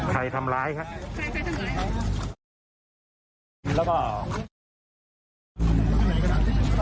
ใครทำร้ายครับใครใครทำร้ายเขาแล้วก็